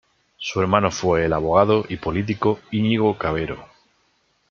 Su hermano fue el abogado y político Íñigo Cavero.